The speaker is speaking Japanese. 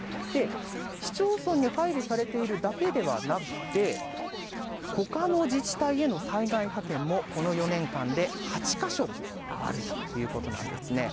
市町村に配備されているだけではなくて、ほかの自治体への災害派遣も、この４年間で８か所あるということなんですね。